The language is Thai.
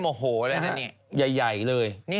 โอ้โหมันมีโมโหเลยนั่นเนี่ย